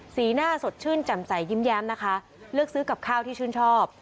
หน้าสดชื่นแจ่มใจยิ้มแย้มนะคะเลือกซื้อกับข้าวที่ชื่นชอบ